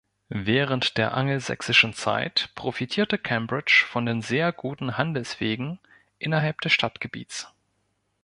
Während der angelsächsischen Zeit profitierte Cambridge von den sehr guten Handelswegen innerhalb des Stadtgebiets.